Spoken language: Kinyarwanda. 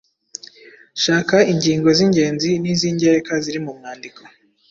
Shaka ingingo z’ingenzi n’iz’ingereka ziri mu mwandiko.